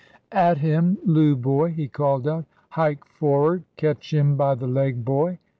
"At him 'loo boy!" he called out; "Hike forrard, catch him by the leg, boy!"